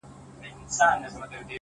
• که مي د دې وطن له کاڼي هم کالي څنډلي،